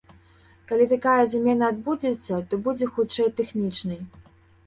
Калі такая замена адбудзецца, то будзе хутчэй тэхнічнай.